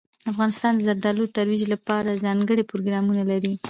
افغانستان د زردالو د ترویج لپاره ځانګړي پروګرامونه لري.